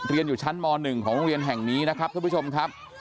เรียนอยู่ชั้นม๑ของโรงเรียนแห่งนี้นะครับท่านผู้ชมครับ